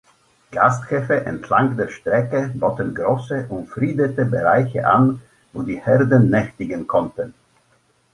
Gasthöfe entlang der Strecke boten große, umfriedete Bereiche an, wo die Herden nächtigen konnten.